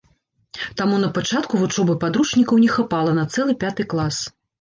Таму на пачатку вучобы падручнікаў не хапала на цэлы пяты клас.